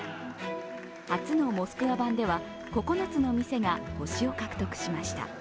初のモスクワ版では９つの店が星を獲得しました。